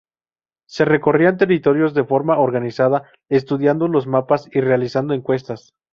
Se recorrían territorios de forma organizada estudiando los mapas y realizando encuestas.